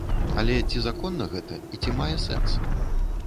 Але ці законна гэта і ці мае сэнс?